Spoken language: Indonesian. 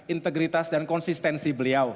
integritas dan konsistensi beliau